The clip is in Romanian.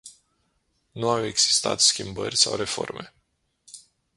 Nu au existat schimbări sau reforme.